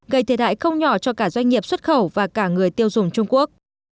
gây thể đại không nhỏ cho cả doanh nghiệp xuất khẩu và cả người tiêu dùng trung quốc